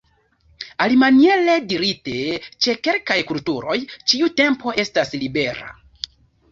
Alimaniere dirite ĉe kelkaj kulturoj ĉiu tempo estas libera.